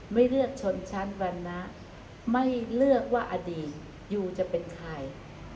ไม่เลือกชนชั้นวรรณะไม่เลือกว่าอดีตยูจะเป็นใคร